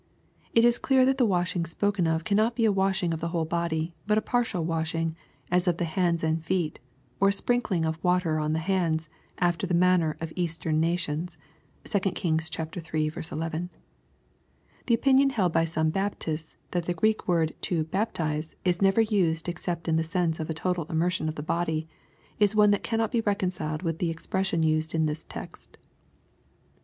It is clear that the washing spoken of cannot be a washing of the whole body, but a partial washing, as of the hands and feet, or a sprinkling of water on the hands, after the manner of Eastern na tions. (2 Kings iiu 11.) The opinion held by some Baptists that the Greek word to " baptize" is never used except in the sense of a total immersion of the body, is one that cannot be reconciled with the expression used in this text.